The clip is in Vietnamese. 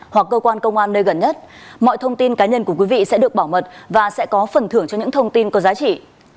hoặc cơ quan công an nơi gần nhất mọi thông tin cá nhân của quý vị sẽ được bảo mật và sẽ có phần thưởng cho những thông tin có giá trị